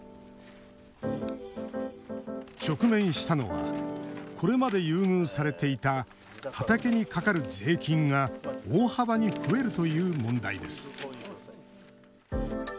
直面したのはこれまで優遇されていた畑にかかる税金が大幅に増えるという問題です。